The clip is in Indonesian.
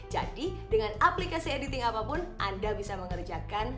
jadi dengan aplikasi editing apapun anda bisa mengerjakan